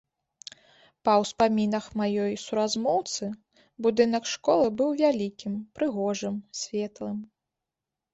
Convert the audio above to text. Па ўспамінах маёй суразмоўцы, будынак школы быў вялікім, прыгожым, светлым.